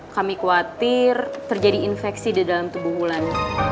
kami khawatir terjadi infeksi di dalam tubuh wulan